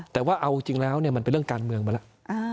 แต่ว่าเอาจริงแล้วมันเป็นเรื่องการเมืองมาแล้ว